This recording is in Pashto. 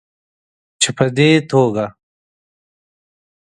چې په دې توګه